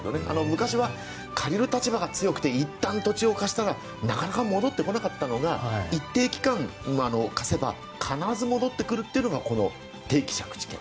昔は借りる立場が強くていったん土地を貸したらなかなか戻ってこなかったのが一定期間貸せば必ず戻ってくるというのがこの定期借地権。